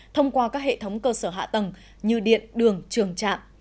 thông qua các hệ thống cơ sở hạ tầng như điện đường trường trạm